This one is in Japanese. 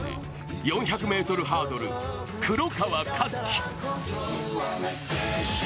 ４００ｍハードル黒川和樹。